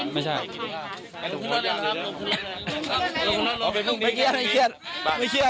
ไม่สั่นเลย